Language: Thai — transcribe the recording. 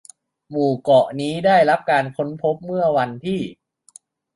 หมู่เกาะนี้ได้รับการค้นพบเมื่อวันที่